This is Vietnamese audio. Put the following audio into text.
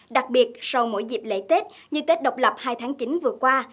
đặc biệt sau mỗi dịp lễ tết như tết độc lập hai tháng chín vừa qua